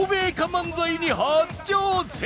漫才に初挑戦